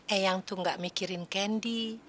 eyang tuh gak mikirin kendi